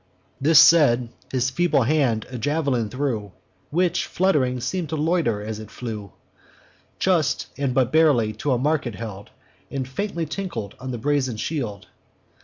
"This said, his feeble hand a javelin threw, Which, flutt'ring, seem'd to loiter as it flew: Just, and but barely, to the mark it held, And faintly tinkled on the brazen shield.